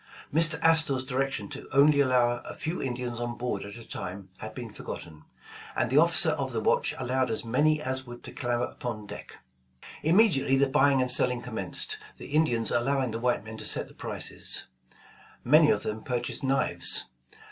Mr. Astor 's directions to only allow a few Indians on board at a time had been forgotten, and the officer of the watch allowed as many as would to clamber upon deck. Immediately the buying and selling commenced, the Indians allowing the white men to set the prices. Many of them purchased knives.